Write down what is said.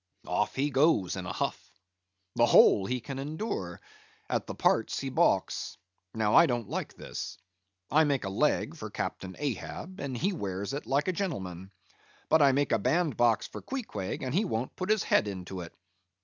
"He goes off in a huff. The whole he can endure; at the parts he baulks. Now I don't like this. I make a leg for Captain Ahab, and he wears it like a gentleman; but I make a bandbox for Queequeg, and he won't put his head into it.